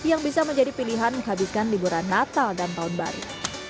yang bisa menjadi pilihan menghabiskan liburan natal dan tahun baru